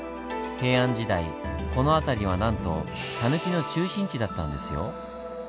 平安時代この辺りはなんと讃岐の中心地だったんですよ。